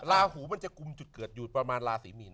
ลาหูมันจะกุมจุดเกิดอยู่ประมาณราศีมีน